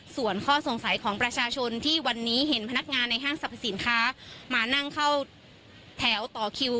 ส่วนข้อสงสัยของประชาชนที่วันนี้เห็นพนักงานในห้างสรรพสินค้ามานั่งเข้าแถวต่อคิว